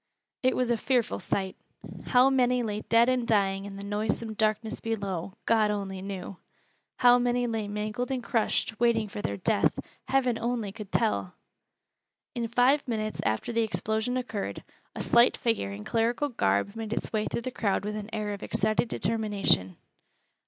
It was a fearful sight. How many lay dead and dying in the noisome darkness below, God only knew! How many lay mangled and crushed, waiting for their death, Heaven only could tell! In five minutes after the explosion occurred, a slight figure in clerical garb made its way through the crowd with an air of excited determination.